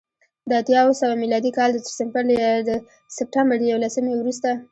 د اتیا اوه سوه میلادي کال د سپټمبر له یوولسمې وروسته